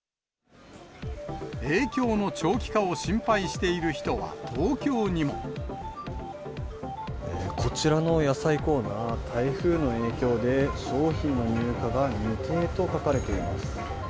影響の長期化を心配しているこちらの野菜コーナー、台風の影響で商品の入荷が未定と書かれています。